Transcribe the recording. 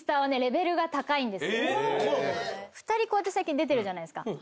２人こうやって最近出てるじゃないですか。